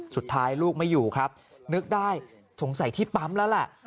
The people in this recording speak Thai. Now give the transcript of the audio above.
สุดท้ายลูกไม่อยู่ครับนึกได้สงสัยที่ปั๊มแล้วแหละ